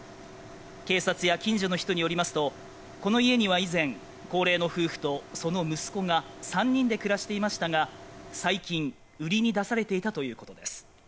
警察や近所の人によりますとこの家には以前、高齢の夫婦とその息子が３人で暮らしていましたが最近、売りに出されていたということです